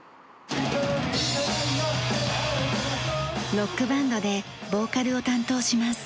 ロックバンドでボーカルを担当します。